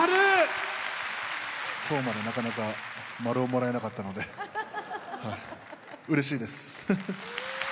今日までなかなかマルをもらえなかったのではいうれしいです。